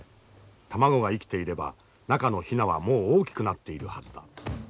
卵が生きていれば中のヒナはもう大きくなっているはずだ。